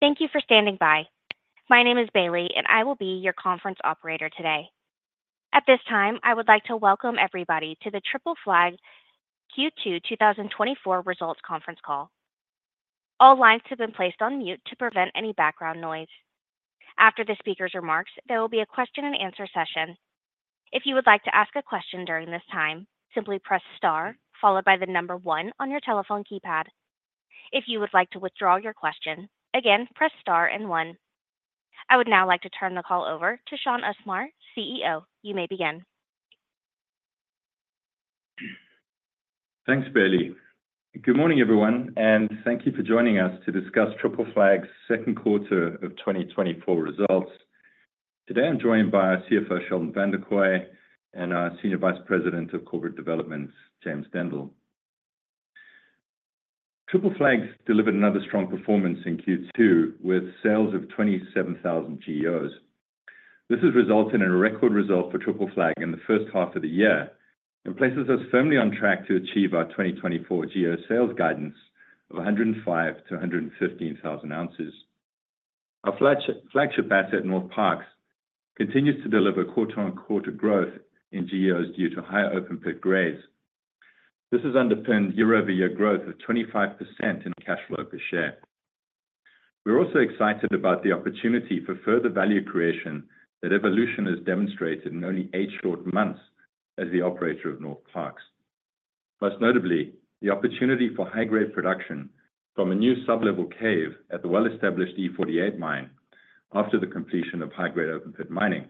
Thank you for standing by. My name is Bailey, and I will be your conference operator today. At this time, I would like to welcome everybody to the Triple Flag Q2 2024 Results Conference Call. All lines have been placed on mute to prevent any background noise. After the speaker's remarks, there will be a question and answer session. If you would like to ask a question during this time, simply press star followed by the number one on your telephone keypad. If you would like to withdraw your question, again, press star and one. I would now like to turn the call over to Shaun Usmar, CEO. You may begin. Thanks, Bailey. Good morning, everyone, and thank you for joining us to discuss Triple Flag's second quarter of 2024 results. Today, I'm joined by our CFO, Sheldon Vanderkooy, and our Senior Vice President of Corporate Development, James Dendle. Triple Flag's delivered another strong performance in Q2, with sales of 27,000 GEOs. This has resulted in a record result for Triple Flag in the first half of the year and places us firmly on track to achieve our 2024 GEO sales guidance of 105,000 to 115,000 ounces. Our flagship asset, Northparkes, continues to deliver quarter-on-quarter growth in GEOs due to higher open pit grades. This has underpinned year-over-year growth of 25% in cash flow per share. We're also excited about the opportunity for further value creation that Evolution has demonstrated in only eight short months as the operator of Northparkes. Most notably, the opportunity for high-grade production from a new sub-level cave at the well-established E48 mine after the completion of high-grade open pit mining,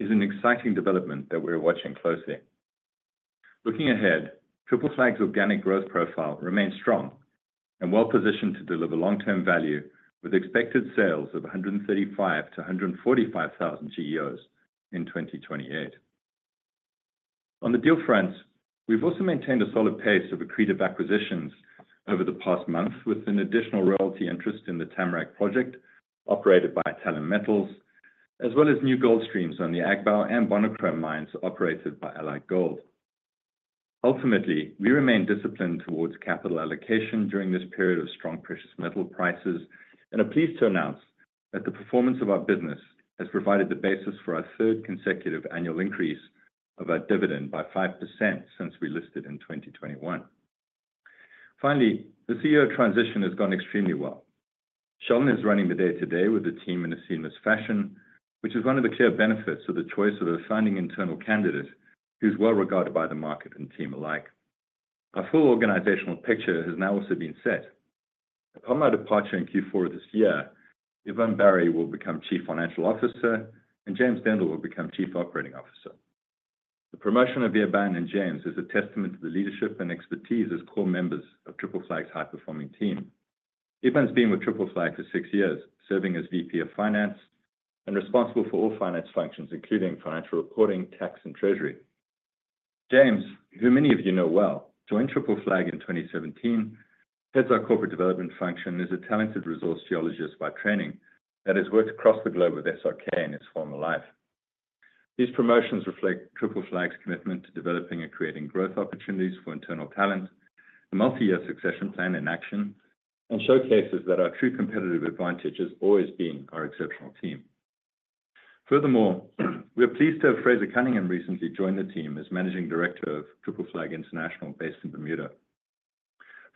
is an exciting development that we're watching closely. Looking ahead, Triple Flag's organic growth profile remains strong and well-positioned to deliver long-term value, with expected sales of 135,000-145,000 GEOs in 2028. On the deal front, we've also maintained a solid pace of accretive acquisitions over the past month, with an additional royalty interest in the Tamarack Project, operated by Talon Metals, as well as new gold streams on the Agbaou and Bonikro mines, operated by Allied Gold. Ultimately, we remain disciplined towards capital allocation during this period of strong precious metal prices and are pleased to announce that the performance of our business has provided the basis for our third consecutive annual increase of our dividend by 5% since we listed in 2021. Finally, the CEO transition has gone extremely well. Sheldon is running the day-to-day with the team in a seamless fashion, which is one of the clear benefits of the choice of assigning internal candidate who's well-regarded by the market and team alike. Our full organizational picture has now also been set. Upon my departure in Q4 of this year, Eban Bari will become Chief Financial Officer, and James Dendle will become Chief Operating Officer. The promotion of Eban Bari and James Dendle is a testament to the leadership and expertise as core members of Triple Flag's high-performing team. Yvonne's been with Triple Flag for six years, serving as VP of Finance and responsible for all finance functions, including financial reporting, tax, and treasury. James, who many of you know well, joined Triple Flag in 2017, heads our corporate development function, and is a talented resource geologist by training that has worked across the globe with SRK in his former life. These promotions reflect Triple Flag's commitment to developing and creating growth opportunities for internal talent, a multi-year succession plan in action, and showcases that our true competitive advantage has always been our exceptional team. Furthermore, we are pleased to have Fraser Cunningham recently joined the team as Managing Director of Triple Flag International, based in Bermuda.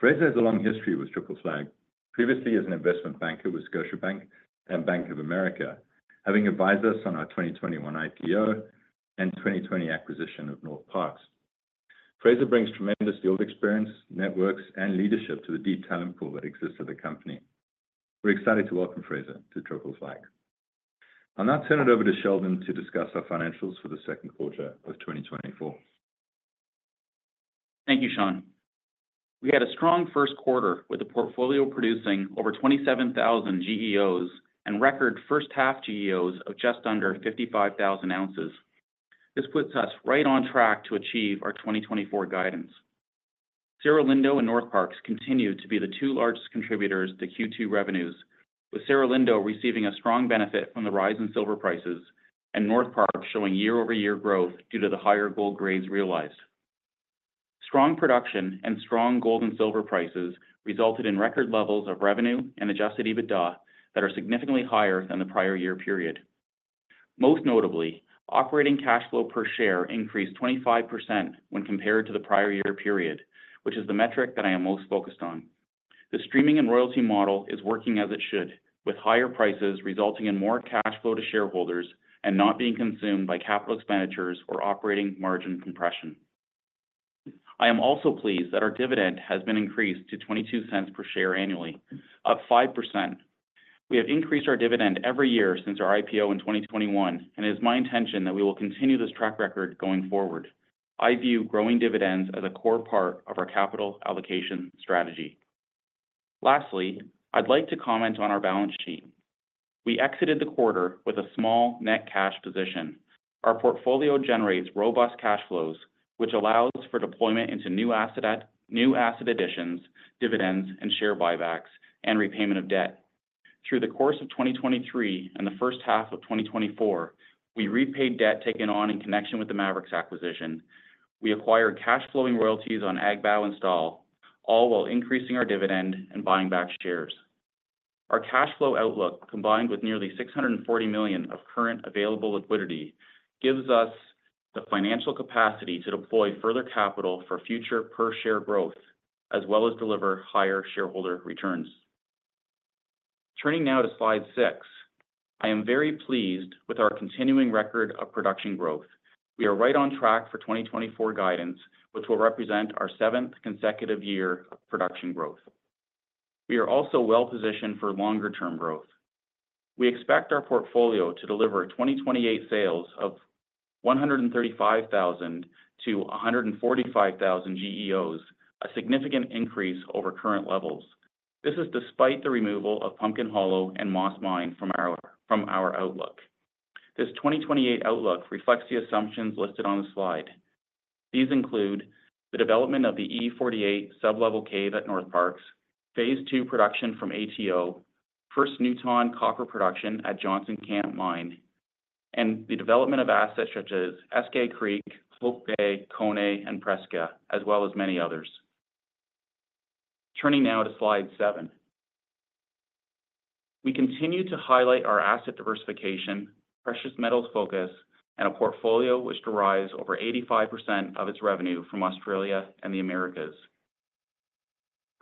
Fraser has a long history with Triple Flag, previously as an investment banker with Scotiabank and Bank of America, having advised us on our 2021 IPO and 2020 acquisition of Northparkes. Fraser brings tremendous deal experience, networks, and leadership to the deep talent pool that exists at the company. We're excited to welcome Fraser to Triple Flag. I'll now turn it over to Sheldon to discuss our financials for the second quarter of 2024. Thank you, Shaun. We had a strong first quarter with the portfolio producing over 27,000 GEOs and record first half GEOs of just under 55,000 ounces. This puts us right on track to achieve our 2024 guidance. Cerro Lindo and Northparkes continued to be the two largest contributors to Q2 revenues, with Cerro Lindo receiving a strong benefit from the rise in silver prices and Northparkes showing year-over-year growth due to the higher gold grades realized. Strong production and strong gold and silver prices resulted in record levels of revenue and adjusted EBITDA that are significantly higher than the prior year period. Most notably, operating cash flow per share increased 25% when compared to the prior year period, which is the metric that I am most focused on. The streaming and royalty model is working as it should, with higher prices resulting in more cash flow to shareholders and not being consumed by capital expenditures or operating margin compression. I am also pleased that our dividend has been increased to $0.22 per share annually, up 5%. We have increased our dividend every year since our IPO in 2021, and it is my intention that we will continue this track record going forward. I view growing dividends as a core part of our capital allocation strategy. Lastly, I'd like to comment on our balance sheet. We exited the quarter with a small net cash position. Our portfolio generates robust cash flows, which allows for deployment into new asset additions, dividends, and share buybacks, and repayment of debt. Through the course of 2023 and the first half of 2024, we repaid debt taken on in connection with the Maverix's acquisition. We acquired cash flowing royalties on Agba and Stawell, all while increasing our dividend and buying back shares. Our cash flow outlook, combined with nearly $640 million of current available liquidity, gives us the financial capacity to deploy further capital for future per share growth, as well as deliver higher shareholder returns. Turning now to slide 6. I am very pleased with our continuing record of production growth. We are right on track for 2024 guidance, which will represent our seventh consecutive year of production growth. We are also well-positioned for longer-term growth. We expect our portfolio to deliver 2028 sales of 135,000-145,000 GEOs, a significant increase over current levels. This is despite the removal of Pumpkin Hollow and Moss Mine from our outlook. This 2028 outlook reflects the assumptions listed on the slide. These include the development of the E48 sub-level cave at Northparkes, phase two production from ATO, first new ton copper production at Johnson Camp Mine, and the development of assets such as Eskay Creek, Hope Bay, Koné, and Prieska, as well as many others. Turning now to slide seven. We continue to highlight our asset diversification, precious metals focus, and a portfolio which derives over 85% of its revenue from Australia and the Americas.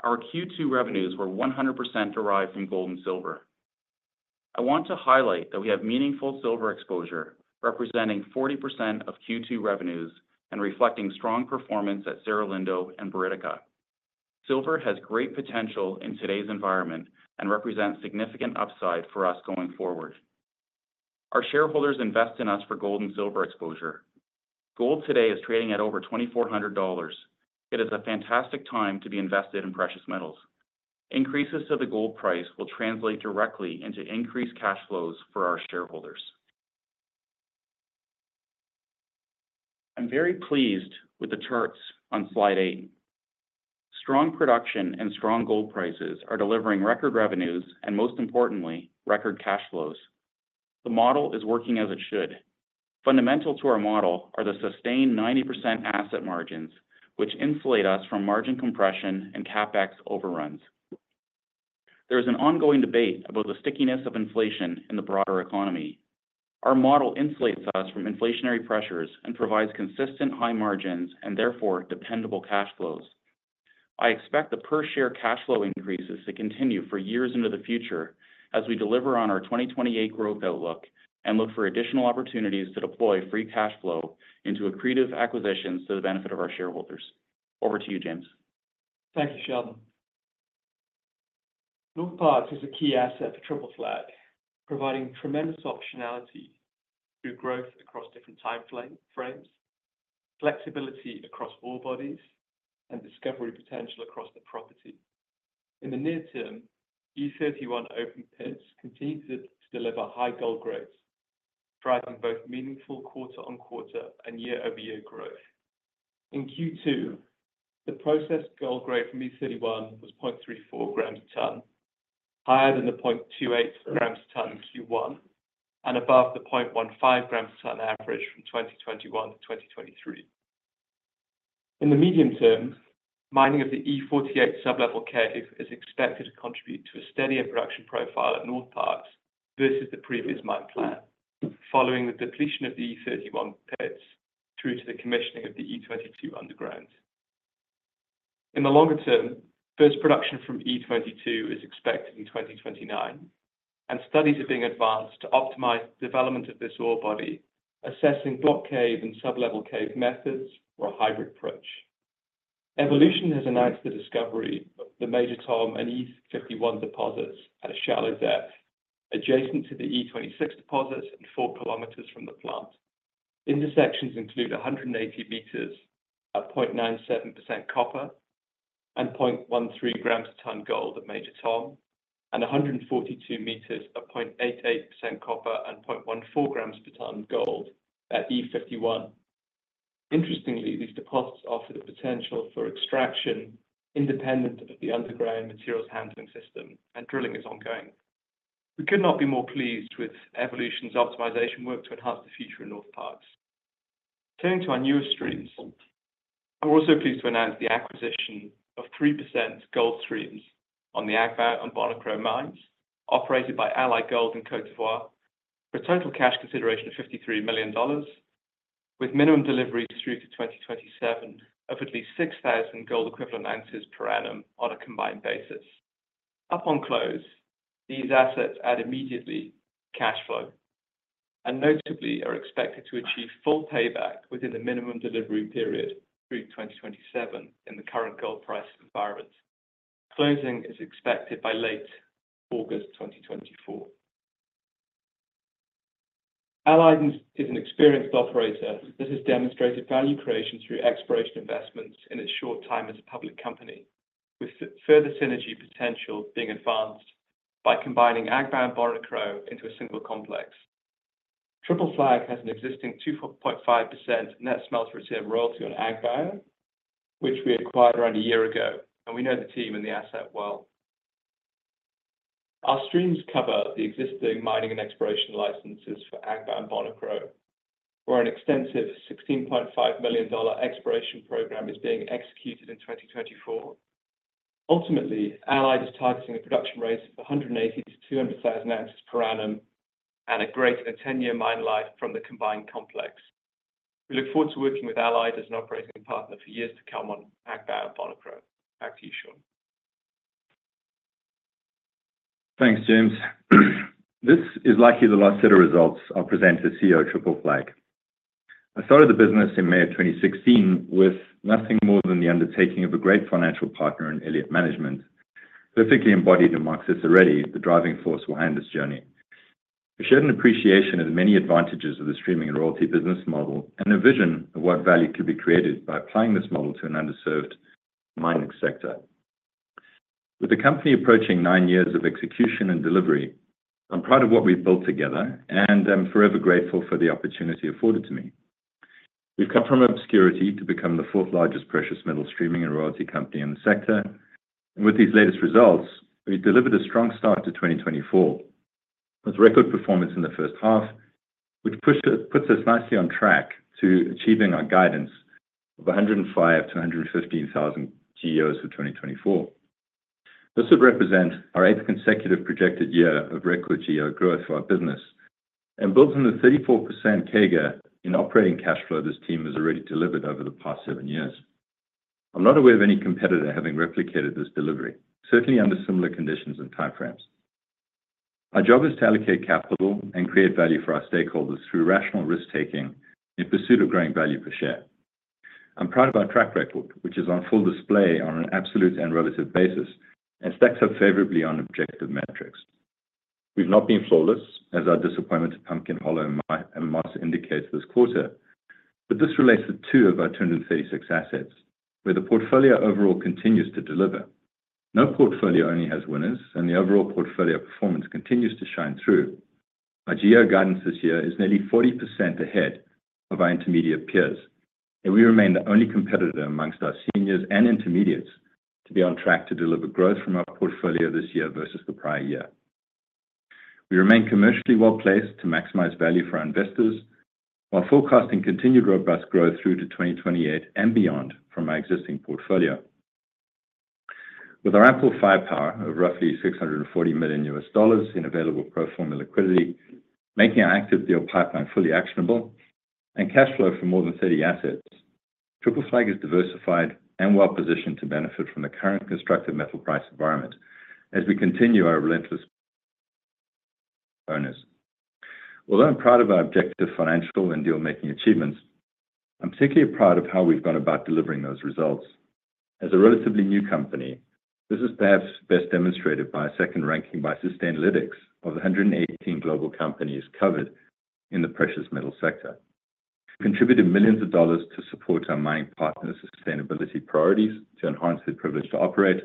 Our Q2 revenues were 100% derived from gold and silver. I want to highlight that we have meaningful silver exposure, representing 40% of Q2 revenues and reflecting strong performance at Cerro Lindo and Buriticá. Silver has great potential in today's environment and represents significant upside for us going forward. Our shareholders invest in us for gold and silver exposure. Gold today is trading at over $2,400. It is a fantastic time to be invested in precious metals. Increases to the gold price will translate directly into increased cash flows for our shareholders. I'm very pleased with the charts on slide 8. Strong production and strong gold prices are delivering record revenues, and most importantly, record cash flows. The model is working as it should. Fundamental to our model are the sustained 90% asset margins, which insulate us from margin compression and CapEx overruns. There is an ongoing debate about the stickiness of inflation in the broader economy. Our model insulates us from inflationary pressures and provides consistent high margins and therefore dependable cash flows. I expect the per share cash flow increases to continue for years into the future as we deliver on our 2028 growth outlook and look for additional opportunities to deploy free cash flow into accretive acquisitions to the benefit of our shareholders. Over to you, James. Thank you, Sheldon. Northparkes is a key asset for Triple Flag, providing tremendous optionality through growth across different time frames, flexibility across all bodies, and discovery potential across the property. In the near term, E31 open pits continue to deliver high gold growth, driving both meaningful quarter-on-quarter and year-over-year growth. In Q2, the processed gold grade from E31 was 0.34 grams a ton, higher than the 0.28 grams a ton in Q1, and above the 0.15 grams a ton average from 2021 to 2023. In the medium term, mining of the E48 sub-level cave is expected to contribute to a steadier production profile at Northparkes versus the previous mine plan, following the depletion of the E31 pits through to the commissioning of the E22 underground. In the longer term, first production from E22 is expected in 2029, and studies are being advanced to optimize development of this ore body, assessing block cave and sublevel cave methods or a hybrid approach. Evolution has announced the discovery of the Major Tom and E51 deposits at a shallow depth, adjacent to the E26 deposits and 4 kilometers from the plant. Intersections include 180 meters at 0.97% copper and 0.13 grams per ton gold at Major Tom, and 142 meters at 0.88% copper and 0.14 grams per ton gold at E51. Interestingly, these deposits offer the potential for extraction independent of the underground materials handling system, and drilling is ongoing. We could not be more pleased with Evolution's optimization work to enhance the future in Northparkes. Turning to our newest streams, I'm also pleased to announce the acquisition of 3% gold streams on the Agba and Bonikro mines, operated by Allied Gold in Côte d'Ivoire, for a total cash consideration of $53 million, with minimum deliveries through to 2027 of at least 6,000 gold equivalent ounces per annum on a combined basis. Upon close, these assets add immediately cash flow, and notably, are expected to achieve full payback within the minimum delivery period through 2027 in the current gold price environment. Closing is expected by late August 2024. Allied is an experienced operator that has demonstrated value creation through exploration investments in its short time as a public company, with further synergy potential being advanced by combining Agba and Bonikro into a single complex. Triple Flag has an existing 2.5% net smelter return royalty on Agba, which we acquired around a year ago, and we know the team and the asset well. Our streams cover the existing mining and exploration licenses for Agba and Bonikro, where an extensive $16.5 million exploration program is being executed in 2024. Ultimately, Allied is targeting a production rate of 180,000-200,000 ounces per annum, and a >10-year mine life from the combined complex. We look forward to working with Allied as an operating partner for years to come on Agba and Bonikro. Back to you, Shaun. Thanks, James. This is likely the last set of results I'll present as CEO of Triple Flag. I started the business in May 2016 with nothing more than the undertaking of a great financial partner in Elliott Management, perfectly embodied in Mark Cicirelli, the driving force behind this journey. We shared an appreciation of the many advantages of the streaming and royalty business model, and a vision of what value could be created by applying this model to an underserved mining sector. With the company approaching nine years of execution and delivery, I'm proud of what we've built together, and I'm forever grateful for the opportunity afforded to me. We've come from obscurity to become the fourth-largest precious metal streaming and royalty company in the sector. With these latest results, we've delivered a strong start to 2024, with record performance in the first half, which puts us nicely on track to achieving our guidance of 105,000-115,000 GEOs for 2024. This would represent our eighth consecutive projected year of record GEO growth for our business and builds on the 34% CAGR in operating cash flow this team has already delivered over the past 7 years. I'm not aware of any competitor having replicated this delivery, certainly under similar conditions and timeframes. Our job is to allocate capital and create value for our stakeholders through rational risk-taking in pursuit of growing value per share. I'm proud of our track record, which is on full display on an absolute and relative basis, and stacks up favorably on objective metrics. We've not been flawless, as our disappointment to Pumpkin Hollow and Moss indicates this quarter, but this relates to two of our 236 assets, where the portfolio overall continues to deliver. No portfolio only has winners, and the overall portfolio performance continues to shine through. Our GEO guidance this year is nearly 40% ahead of our intermediate peers, and we remain the only competitor amongst our seniors and intermediates to be on track to deliver growth from our portfolio this year versus the prior year. We remain commercially well-placed to maximize value for our investors, while forecasting continued robust growth through to 2028 and beyond from our existing portfolio. With our ample firepower of roughly $640 million in available pro forma liquidity, making our active deal pipeline fully actionable and cash flow from more than 30 assets, Triple Flag is diversified and well-positioned to benefit from the current constructive metal price environment as we continue our relentless pursuit. Although I'm proud of our objective, financial, and deal-making achievements, I'm particularly proud of how we've gone about delivering those results. As a relatively new company, this is perhaps best demonstrated by our second ranking by Sustainalytics of the 118 global companies covered in the precious metal sector. Contributed $millions to support our mining partners' sustainability priorities to enhance their license to operate,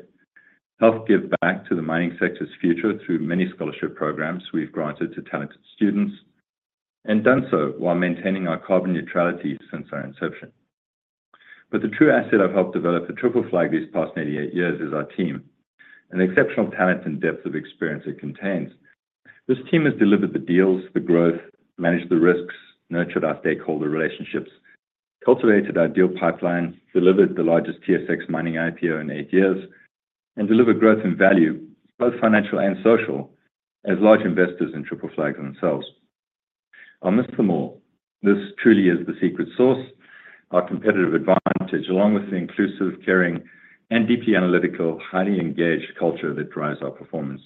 help give back to the mining sector's future through many scholarship programs we've granted to talented students, and done so while maintaining our carbon neutrality since our inception. The true asset I've helped develop at Triple Flag these past nearly eight years is our team, and the exceptional talent and depth of experience it contains. This team has delivered the deals, the growth, managed the risks, nurtured our stakeholder relationships, cultivated our deal pipeline, delivered the largest TSX mining IPO in eight years, and delivered growth in value, both financial and social, as large investors in Triple Flag themselves. I'll miss them all. This truly is the secret sauce, our competitive advantage, along with the inclusive, caring, and deeply analytical, highly engaged culture that drives our performance.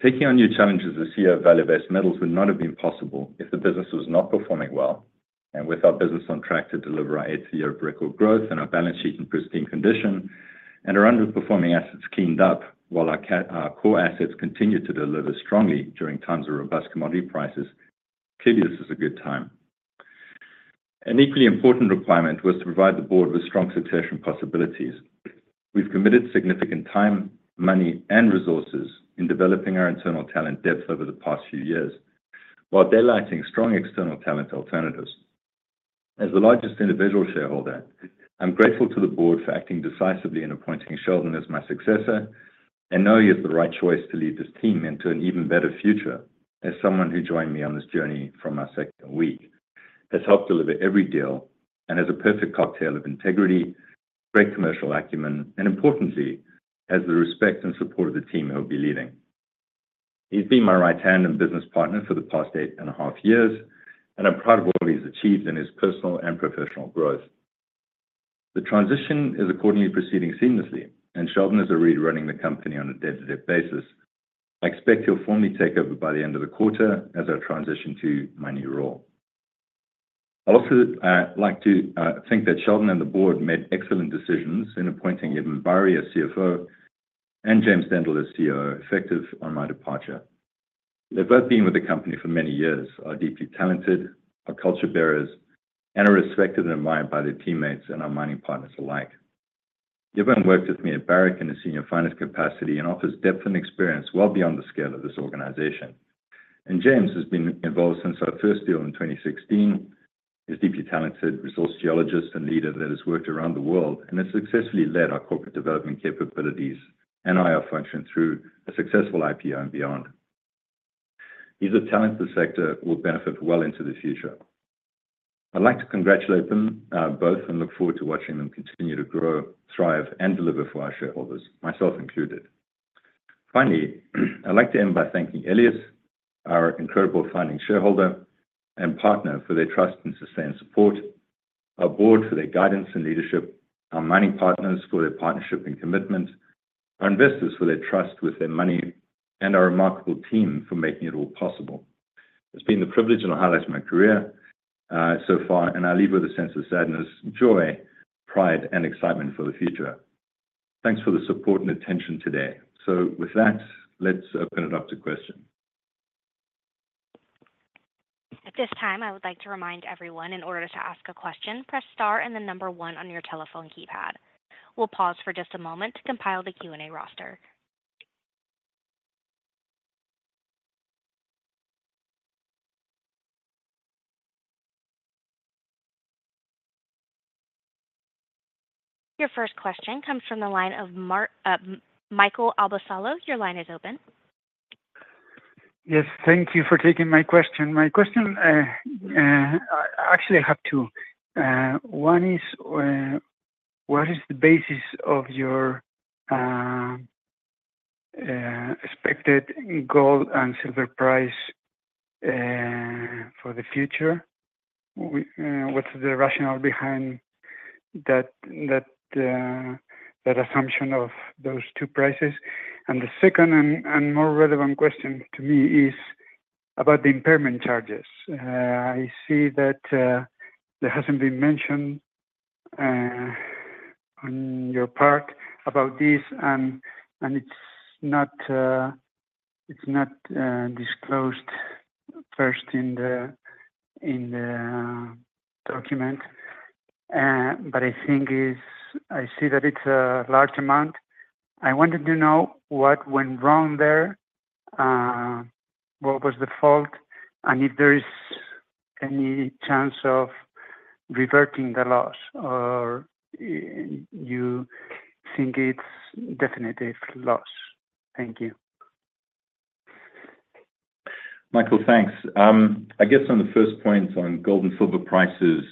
Taking on new challenges as CEO of Vale Base Metals would not have been possible if the business was not performing well, and with our business on track to deliver our eighth year of record growth and our balance sheet in pristine condition and our underperforming assets cleaned up, while our core assets continue to deliver strongly during times of robust commodity prices, clearly, this is a good time. An equally important requirement was to provide the board with strong succession possibilities. We've committed significant time, money, and resources in developing our internal talent depth over the past few years, while identifying strong external talent alternatives. As the largest individual shareholder, I'm grateful to the board for acting decisively in appointing Sheldon as my successor. I know he is the right choice to lead this team into an even better future. As someone who joined me on this journey from our second week, has helped deliver every deal and has a perfect cocktail of integrity, great commercial acumen, and importantly, has the respect and support of the team he'll be leading. He's been my right-hand and business partner for the past eight and a half years, and I'm proud of what he's achieved in his personal and professional growth. The transition is accordingly proceeding seamlessly, and Sheldon is already running the company on a day-to-day basis. I expect he'll formally take over by the end of the quarter as I transition to my new role. I'd also like to think that Sheldon and the board made excellent decisions in appointing Eban Bari as CFO and James Dendle as COO, effective on my departure. They've both been with the company for many years, are deeply talented, are culture bearers, and are respected and admired by their teammates and our mining partners alike. Eban worked with me at Barrick in a senior finance capacity and offers depth and experience well beyond the scale of this organization.... And James has been involved since our first deal in 2016. He's a deeply talented resource geologist and leader that has worked around the world, and has successfully led our corporate development capabilities and IR function through a successful IPO and beyond. He's a talent the sector will benefit well into the future. I'd like to congratulate them, both and look forward to watching them continue to grow, thrive, and deliver for our shareholders, myself included. Finally, I'd like to end by thanking Elliott, our incredible founding shareholder and partner, for their trust and sustained support, our board for their guidance and leadership, our mining partners for their partnership and commitment, our investors for their trust with their money, and our remarkable team for making it all possible. It's been the privilege and a highlight of my career, so far, and I leave with a sense of sadness, joy, pride, and excitement for the future. Thanks for the support and attention today. So with that, let's open it up to questions. At this time, I would like to remind everyone, in order to ask a question, press star and the number one on your telephone keypad. We'll pause for just a moment to compile the Q&A roster. Your first question comes from the line of Michael Albosalo. Your line is open. Yes, thank you for taking my question. My question, actually, I have two. One is, what is the basis of your expected gold and silver price for the future? What's the rationale behind that, that assumption of those two prices? And the second and more relevant question to me is about the impairment charges. I see that there hasn't been mentioned on your part about this, and it's not disclosed first in the document. I think it's. I see that it's a large amount. I wanted to know what went wrong there, what was the fault, and if there is any chance of reverting the loss, or you think it's definitive loss? Thank you. Michael, thanks. I guess on the first point, on gold and silver prices,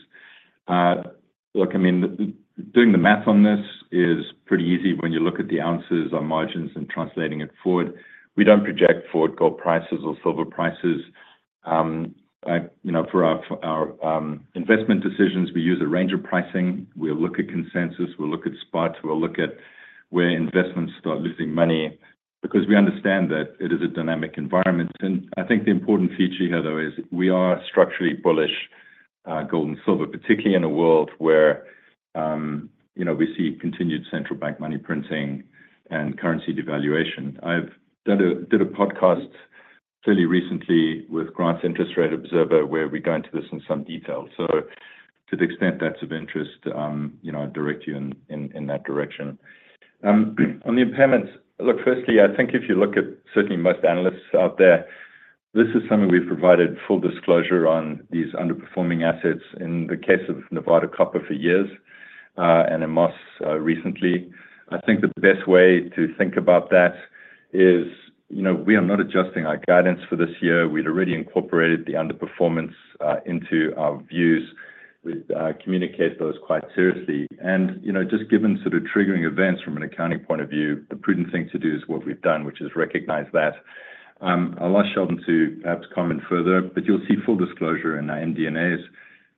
look, I mean, doing the math on this is pretty easy when you look at the ounces on margins and translating it forward. We don't project forward gold prices or silver prices. I, you know, for our investment decisions, we use a range of pricing. We'll look at consensus, we'll look at spots, we'll look at where investments start losing money, because we understand that it is a dynamic environment. And I think the important feature here, though, is we are structurally bullish, gold and silver, particularly in a world where, you know, we see continued central bank money printing and currency devaluation. I did a podcast fairly recently with Grant's Interest Rate Observer, where we go into this in some detail. To the extent that's of interest, you know, I'd direct you in that direction. On the impairments, look, firstly, I think if you look at certainly most analysts out there, this is something we've provided full disclosure on these underperforming assets in the case of Nevada Copper for years, and in Moss, recently. I think the best way to think about that is, you know, we are not adjusting our guidance for this year. We'd already incorporated the underperformance into our views. We'd communicate those quite seriously. Just given triggering events from an accounting point of view, the prudent thing to do is what we've done, which is recognize that. I'll ask Sheldon to perhaps comment further, but you'll see full disclosure in our MD&As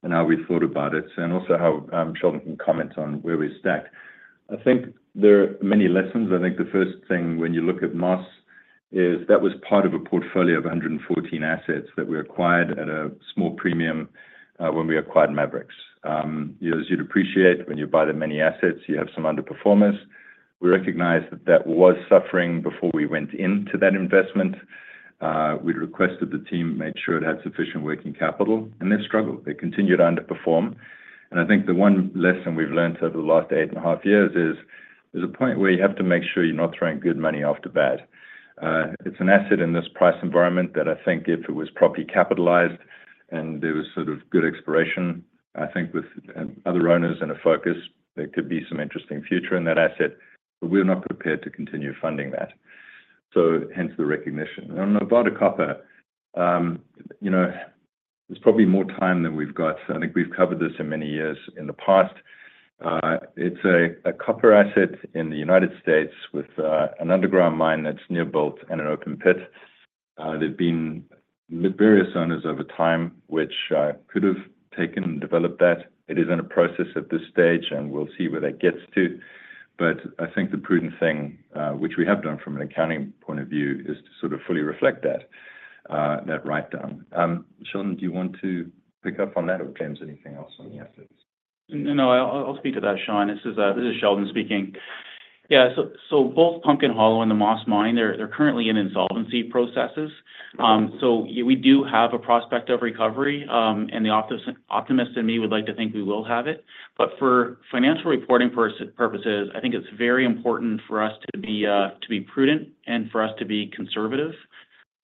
and how we've thought about it, and also how Sheldon can comment on where we stack. I think there are many lessons. I think the first thing when you look at Moss is that was part of a portfolio of 114 assets that we acquired at a small premium when we acquired Maverix. As you'd appreciate, when you buy that many assets, you have some underperformers. We recognized that that was suffering before we went into that investment. We'd requested the team, made sure it had sufficient working capital, and they struggled. They continued to underperform. I think the one lesson we've learned over the last 8.5 years is, there's a point where you have to make sure you're not throwing good money after bad. It's an asset in this price environment that I think if it was properly capitalized and there was good exploration, I think with other owners and a focus, there could be some interesting future in that asset, but we're not prepared to continue funding that. Hence the recognition. On Nevada Copper there's probably more time than we've got. I think we've covered this in many years in the past. It's a copper asset in the United States with an underground mine that's near bolt and an open pit. There's been various owners over time, which could have taken and developed that. It is in a process at this stage, and we'll see where that gets to. I think the prudent thing, which we have done from an accounting point of view, is to fully reflect that, that write-down. Sheldon, do you want to pick up on that, or James, anything else on the assets? No, I'll speak to that, Shaun. This is Sheldon speaking. Yeah, so both Pumpkin Hollow and the Moss Mine, they're currently in insolvency processes. We do have a prospect of recovery, and the optimist in me would like to think we will have it. For financial reporting purposes, I think it's very important for us to be prudent and for us to be conservative.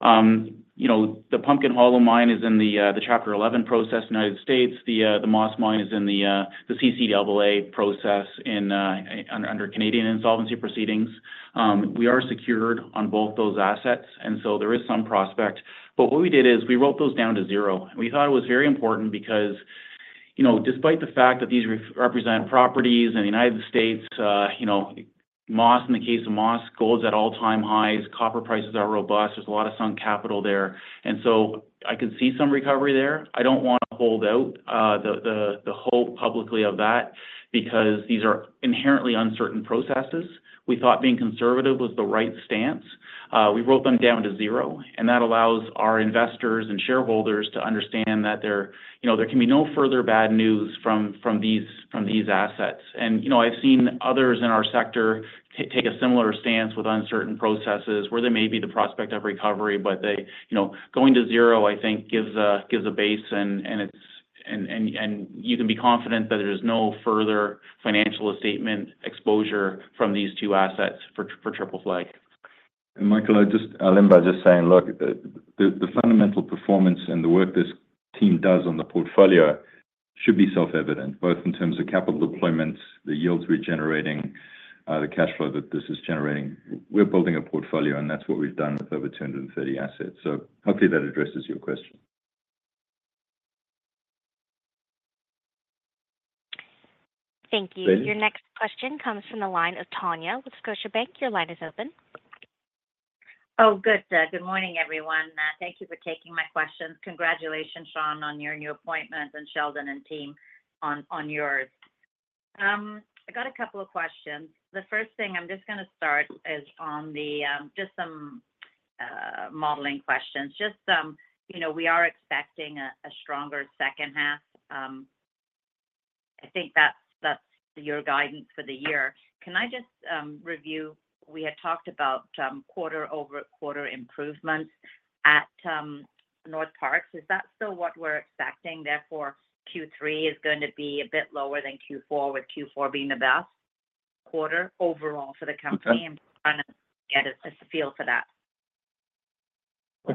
The Pumpkin Hollow mine is in the Chapter 11 process in the United States. The Moss mine is in the CCAA process under Canadian insolvency proceedings. We are secured on both those assets, and so there is some prospect. What we did is, we wrote those down to zero. We thought it was very important because, you know, despite the fact that these represent properties in the United States, Moss, in the case of Moss, gold's at all-time highs, copper prices are robust. There's a lot of sunk capital there, and so I could see some recovery there. I don't want to hold out the hope publicly of that because these are inherently uncertain processes. We thought being conservative was the right stance. We wrote them down to zero, and that allows our investors and shareholders to understand that there, you know, there can be no further bad news from these assets. I've seen others in our sector take a similar stance with uncertain processes, where there may be the prospect of recovery, but they going to zero, I think, gives a base, and you can be confident that there is no further financial statement exposure from these two assets for Triple Flag. Michael, I just - I'll end by just saying, look, the fundamental performance and the work this team does on the portfolio should be self-evident, both in terms of capital deployment, the yields we're generating, the cash flow that this is generating. We're building a portfolio, and that's what we've done with over 230 assets. Hopefully that addresses your question. Thank you. Your next question comes from the line of Tanya with Scotiabank. Your line is open. Oh, good, good morning, everyone. Thank you for taking my questions. Congratulations, Shaun, on your new appointment, and Sheldon and team on yours. I got a couple of questions. The first thing I'm just gonna start is on the, just some, modeling questions. Just, you know, we are expecting a, a stronger second half. I think that's, that's your guidance for the year. Can I just review? We had talked about quarter-over-quarter improvements at Northparkes. Is that still what we're expecting, therefore, Q3 is going to be a bit lower than Q4, with Q4 being the best quarter overall for the company? Okay. I'm trying to get a, just a feel for that.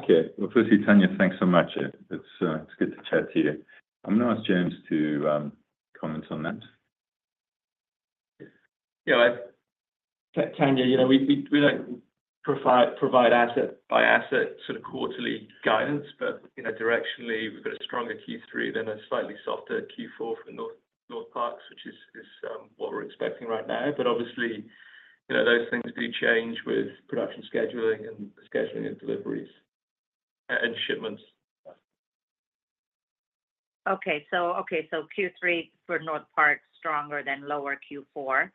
Okay. Well, firstly, Tanya, thanks so much. It's good to chat to you. I'm going to ask James to comment on that. Yeah, Tanya, you know, we don't provide asset-by-asset quarterly guidance, but, you know, directionally, we've got a stronger Q3 than a slightly softer Q4 for Northparkes, which is what we're expecting right now. Obviously, those things do change with production scheduling and scheduling of deliveries and shipments. Okay. So, okay, so Q3 for Northparkes, stronger than lower Q4.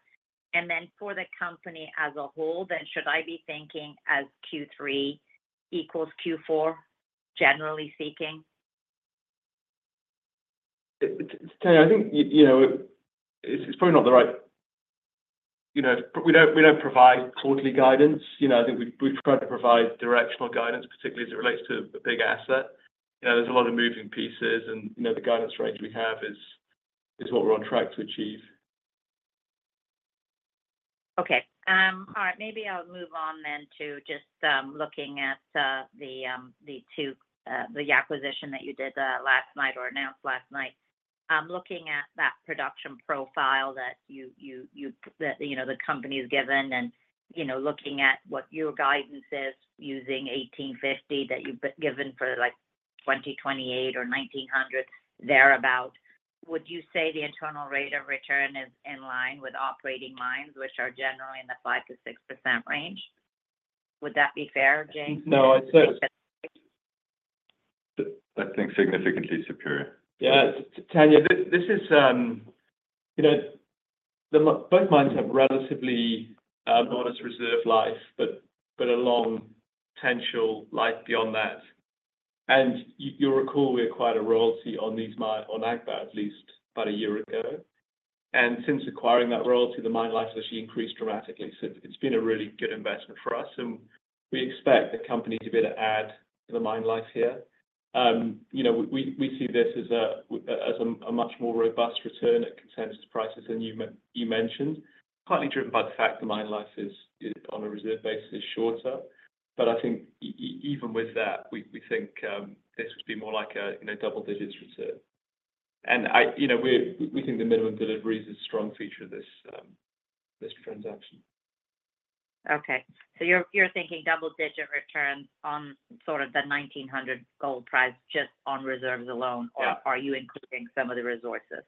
Then for the company as a whole, then, should I be thinking as Q3 equals Q4, generally speaking? Tanya, I think you know it's probably not the right... You know, we don't provide quarterly guidance. You know, I think we try to provide directional guidance, particularly as it relates to a big asset. There's a lot of moving pieces and, you know, the guidance range we have is what we're on track to achieve. Okay. All right, maybe I'll move on then to just looking at the two the acquisition that you did last night or announced last night. I'm looking at that production profile that you know the company's given and you know looking at what your guidance is, using $1,850 that you've given for, like, 2028 or $1,900, thereabout. Would you say the internal rate of return is in line with operating mines, which are generally in the 5%-6% range? Would that be fair, James? I think significantly superior. Yeah, Tanya, this is, you know, both mines have relatively modest reserve life, but a long potential life beyond that. You'll recall we acquired a royalty on Agba at least about a year ago. Since acquiring that royalty, the mine life actually increased dramatically. It's been a really good investment for us, and we expect the company to be able to add to the mine life here. We see this as a, as a much more robust return at consensus prices than you mentioned, partly driven by the fact the mine life is, on a reserve basis, shorter. I think even with that, we think this would be more like a double-digits reserve. You know, we think the minimum deliveries is a strong feature of this transaction. Okay. You're thinking double-digit returns on the $1,900 gold price just on reserves alone or are you including some of the resources?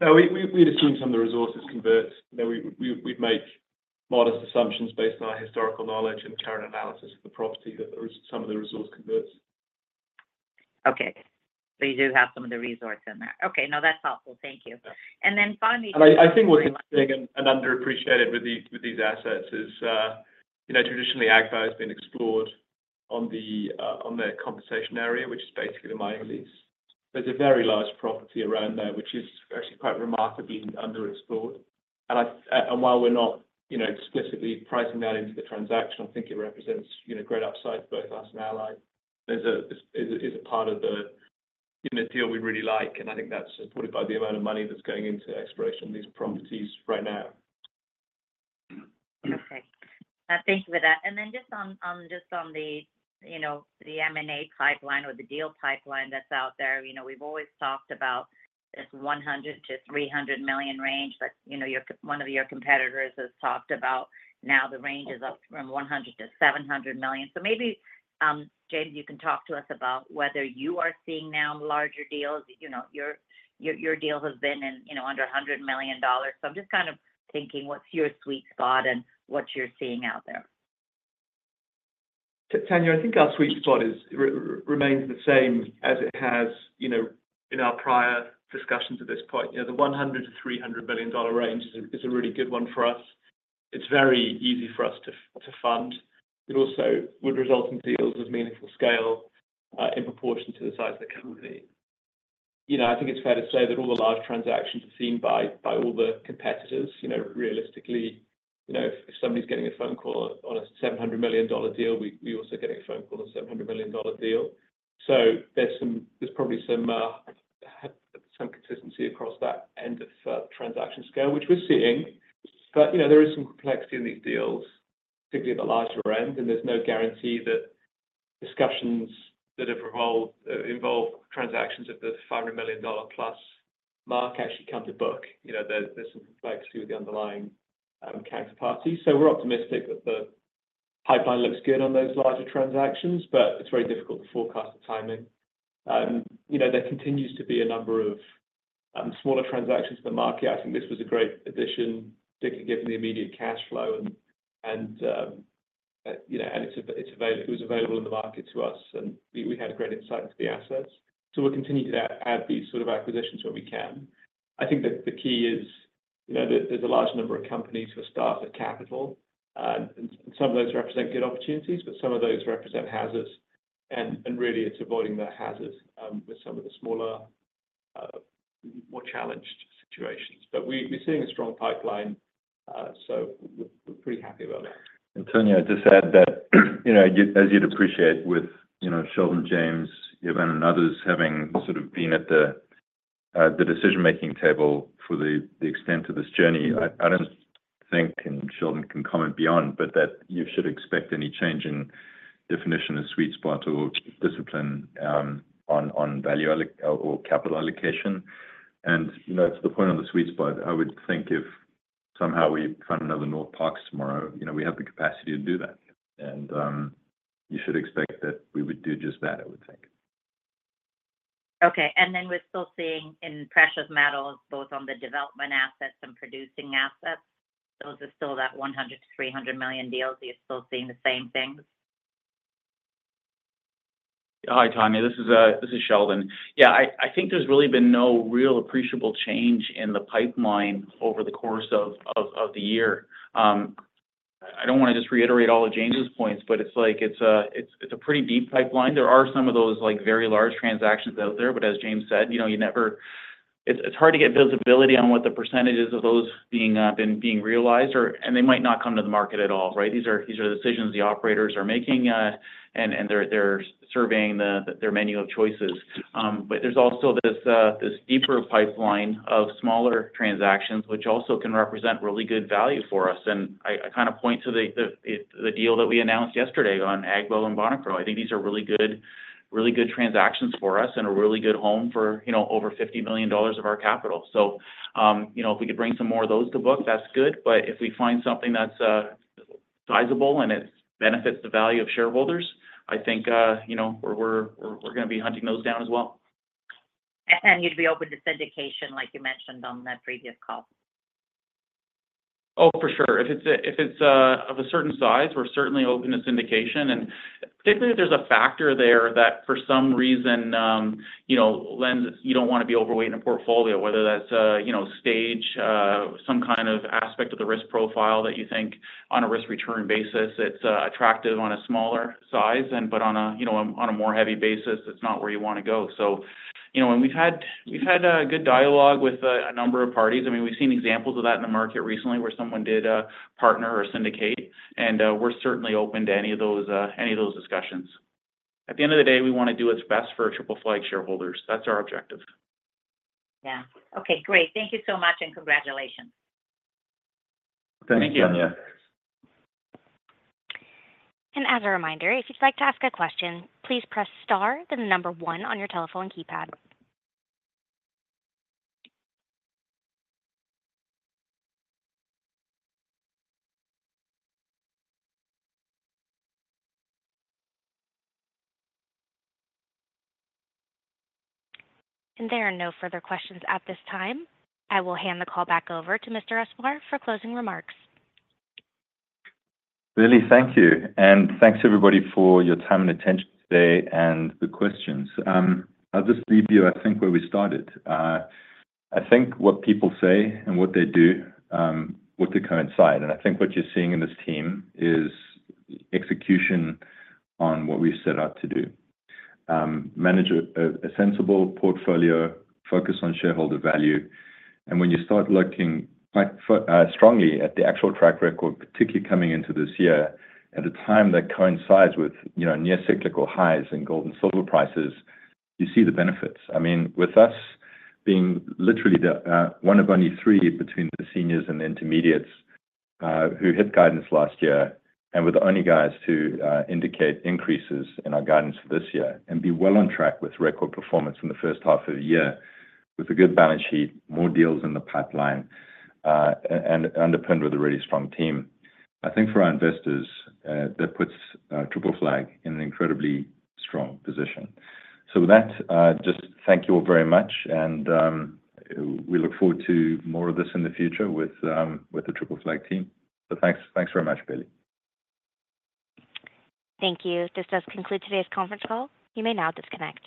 No, we'd assumed some of the resources convert. You know, we'd make modest assumptions based on our historical knowledge and current analysis of the property, that some of the resource converts. Okay. you do have some of the resource in there. Okay, no, that's helpful. Thank you. Yeah. And I, I think what's big and underappreciated with these, with these assets is, you know, traditionally, Agba has been explored on the, on the concession area, which is basically the mining lease. There's a very large property around there, which is actually quite remarkably underexplored. And I, and while we're not, you know, explicitly pricing that into the transaction, I think it represents, great upside us now, like, there's is a part of the, in a deal we really like, and I think that's supported by the amount of money that's going into exploration of these properties right now. Okay. Thank you for that. Then just on the M&A pipeline or the deal pipeline that's out there, you know, we've always talked about this $100 million-$300 million range, but one of your competitors has talked about now the range is up from $100 million to $700 million. Maybe, James, you can talk to us about whether you are seeing now larger deals. Your deals have been in, under $100 million. I'm just thinking, what's your sweet spot and what you're seeing out there? Tanya, I think our sweet spot remains the same as it has in our prior discussions at this point. The $100 million-$300 million range is a really good one for us. It's very easy for us to fund. It also would result in deals of meaningful scale in proportion to the size of the company. I think it's fair to say that all the large transactions are seen by all the competitors. You know, realistically, you know, if somebody's getting a phone call on a $700 million deal, we also get a phone call on a $700 million deal. There's some probably some consistency across that end of transaction scale, which we're seeing. There is some complexity in these deals, particularly at the larger end, and there's no guarantee that discussions that have involved transactions at the $500 million plus mark actually come to book. You know, there's some complexity with the underlying counterparty. We're optimistic that the pipeline looks good on those larger transactions, but it's very difficult to forecast the timing. There continues to be a number of smaller transactions in the market. I think this was a great addition, particularly given the immediate cash flow and it was available in the market to us, and we had a great insight into the assets. So we'll continue to add these acquisitions where we can. I think that the key is, you know, there, there's a large number of companies who are starved for capital, and some of those represent good opportunities, but some of those represent hazards, and really, it's avoiding the hazards, with some of the smaller, more challenged situations. But we, we're seeing a strong pipeline, so we're, we're pretty happy about that. Tanya, I'd just add that, you know, you, as you'd appreciate with, you know, Sheldon, James, Eban, and others having been at the decision-making table for the extent of this journey, I don't think, and Sheldon can comment beyond, but that you should expect any change in definition of sweet spot or discipline on value allocation or capital allocation. To the point on the sweet spot, I would think if somehow we found another Northparkes tomorrow, we have the capacity to do that, and you should expect that we would do just that, I would think. Okay. Then we're still seeing in precious metals, both on the development assets and producing assets, those are still that $100 million-$300 million deals. Are you still seeing the same things? Hi, Tanya. This is Sheldon. Yeah, I think there's really been no real appreciable change in the pipeline over the course of the year. I don't wanna just reiterate all of James's points, but it's like it's a pretty deep pipeline. There are some of those, like, very large transactions out there, but as James said you never. It's hard to get visibility on what the percentages of those being realized or, and they might not come to the market at all, right? These are decisions the operators are making, and they're surveying their menu of choices. There's also this deeper pipeline of smaller transactions, which also can represent really good value for us. Point to the deal that we announced yesterday on Agbaou and Bonikro. I think these are really good, really good transactions for us and a really good home for, you know, over $50 million of our capital. If we could bring some more of those to book, that's good, but if we find something that's sizable and it benefits the value of shareholders, I think, you know, we're gonna be hunting those down as well. You'd be open to syndication, like you mentioned on that previous call? Oh, for sure. If it's of a certain size, we're certainly open to syndication, and particularly if there's a factor there that for some reason, you know, lends you don't wanna be overweight in a portfolio, whether that's, you know, stage, some aspect of the risk profile that you think on a risk-return basis, it's attractive on a smaller size and, but on a more heavy basis, it's not where you want to go. We've had a good dialogue with a number of parties. I mean, we've seen examples of that in the market recently, where someone did a partner or syndicate, and we're certainly open to any of those, any of those discussions. At the end of the day, we want to do what's best for Triple Flag shareholders. That's our objective. Yeah. Okay, great. Thank you so much, and congratulations. Thank you, Tanya. Thank you. As a reminder, if you'd like to ask a question, please press star, then the number one on your telephone keypad. There are no further questions at this time. I will hand the call back over to Mr. Usmar for closing remarks. Bailey, thank you, and thanks, everybody, for your time and attention today and the questions. I'll just leave you, I think, where we started. I think what people say and what they do coincide, and I think what you're seeing in this team is execution on what we set out to do. Manage a sensible portfolio, focus on shareholder value, and when you start looking quite strongly at the actual track record, particularly coming into this year, at a time that coincides with, you know, near cyclical highs in gold and silver prices, you see the benefits. I mean, with us being literally the one of only three between the seniors and intermediates who hit guidance last year, and we're the only guys to indicate increases in our guidance for this year and be well on track with record performance in the first half of the year, with a good balance sheet, more deals in the pipeline, and underpinned with a really strong team. I think for our investors, that puts Triple Flag in an incredibly strong position. With that, just thank you all very much, and we look forward to more of this in the future with the Triple Flag team. Thanks, thanks very much, Bailey. Thank you. This does conclude today's conference call. You may now disconnect.